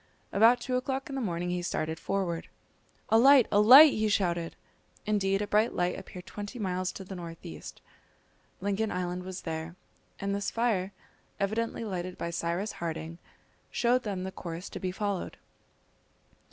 About two o'clock in the morning he started forward, "A light! a light!" he shouted. Indeed, a bright light appeared twenty miles to the north east. Lincoln Island was there, and this fire, evidently lighted by Cyrus Harding, showed them the course to be followed.